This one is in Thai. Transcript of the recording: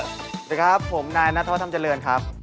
สวัสดีครับผมนายนัทวัฒนเจริญครับ